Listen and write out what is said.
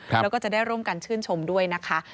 แล้วก็จะได้ร่วมกันชื่นชมด้วยนะคะ